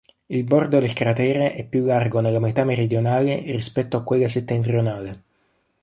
Il bordo del cratere è più largo nella metà meridionale rispetto a quella settentrionale.